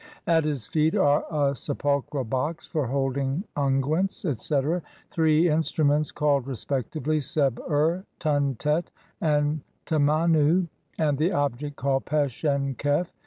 At his feet are a sepulchral box for holding unguents, etc. ; three instruments called respectively "Seb ur", "Tun tet" and "Temanu"; and the object called "Pesh en kef